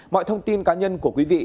mọi thông tin cá nhân của quý vị